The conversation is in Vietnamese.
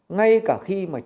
ngay cả khi mà chưa